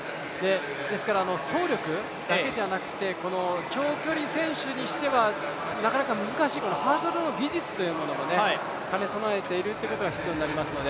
ですから走力だけじゃなくて長距離選手にしてはなかなか難しいハードルの技術というものも兼ね備えていることが必要になりますので。